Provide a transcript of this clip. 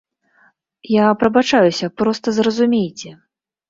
Я прабачаюся, проста зразумейце.